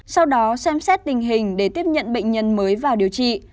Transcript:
sau đó xem xét tình hình để tiếp nhận bệnh nhân mới vào điều trị